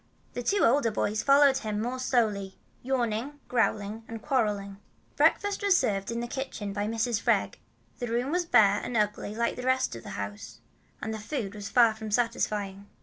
The two older boys followed him more slowly, yawning, growling, and quarreling. Breakfast was served in the kitchen by Mrs. Freg. The room was bare and ugly like the rest of the house, and the food was far from satisfying.